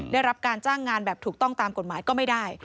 ได้รับการจ้างงานแบบถูกต้องตามกฎหมายก็ไม่ได้